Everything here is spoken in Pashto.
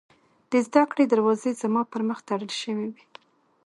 د زدکړې دروازې زما پر مخ تړل شوې وې